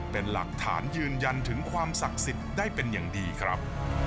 เป็นหลักฐานยืนยันถึงความศักดิ์สิทธิ์ได้เป็นอย่างดีครับ